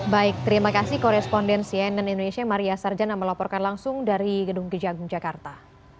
baik terima kasih koresponden cnn indonesia maria sarjana melaporkan langsung dari gedung kejagung jakarta